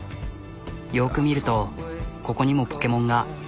よく見るとここにもポケモンが。